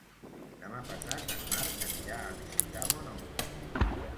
Demà passat en Marc anirà a visitar mon oncle.